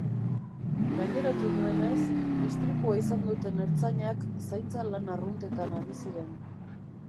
Gaineratu duenez, istripua izan duten ertzainak zaintza lan arruntetan ari ziren.